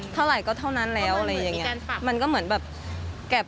เท่าไหร่ก็เท่านั้นแล้วมันก็เหมือนแบบ